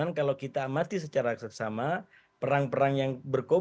karena kalau kita mati secara bersama perang perang yang berkobur